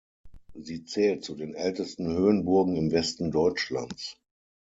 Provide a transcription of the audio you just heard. Sie zählt zu den ältesten Höhenburgen im Westen Deutschlands.